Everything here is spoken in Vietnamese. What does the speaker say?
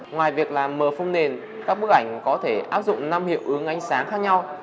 ngoài việc làm mờ không nền các bức ảnh có thể áp dụng năm hiệu ứng ánh sáng khác nhau